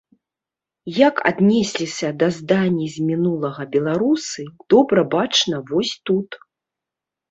Як аднесліся да здані з мінулага беларусы, добра бачна вось тут.